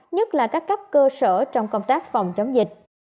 nhất là các cấp cơ sở trong công tác phòng chống dịch